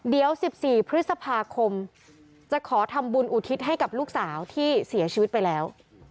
เดี๋ยว๑๔พฤษภาคมจะขอทำบุญอุทิศให้กับลูกสาวที่เสียชีวิตไปแล้ว